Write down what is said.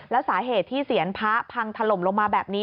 แล้วสาเหตุที่เสียนพระพังถล่มลงมาแบบนี้